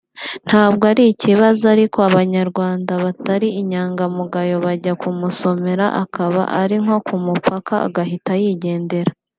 ntabwo ari ikibazo ariko Abanyarwanda batari inyangamugayo bajya kumusomera akaba ari nko ku mupaka agahita yigendera